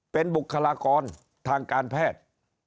เป็นบุคลากรทางการแพทย์